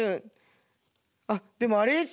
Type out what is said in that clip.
あっでもあれですね